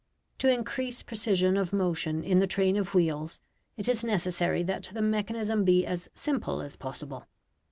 To increase precision of motion in the train of wheels, it is necessary that the mechanism be as simple as possible.